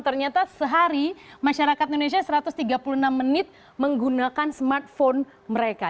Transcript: ternyata sehari masyarakat indonesia satu ratus tiga puluh enam menit menggunakan smartphone mereka